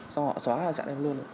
xong họ xóa và chặn em luôn